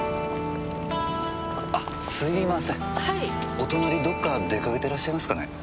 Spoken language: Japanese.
お隣どこか出かけてらっしゃいますかね？